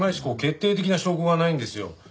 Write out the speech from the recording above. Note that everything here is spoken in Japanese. こう決定的な証拠がないんですよ。